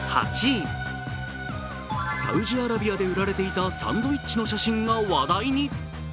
サウジアラビアで売られていたサンドイッチの写真が話題に。